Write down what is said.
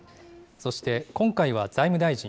そして、今回は財務大臣。